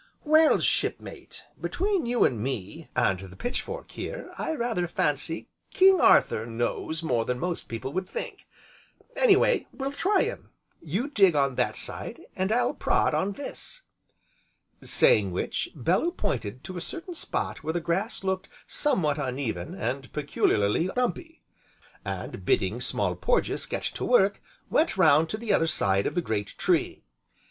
"Well, Shipmate, between you and me, and the pitch fork here, I rather fancy 'King Arthur' knows more than most people would think. Any way, we'll try him. You dig on that side, and I'll prod on this." Saying which, Bellew pointed to a certain spot where the grass looked somewhat uneven, and peculiarly bumpy, and, bidding Small Porges get to work, went round to the other side of the great tree.